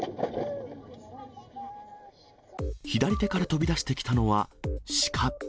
左手から飛び出してきたのは鹿。